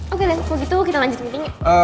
oke deh mau gitu kita lanjut meetingnya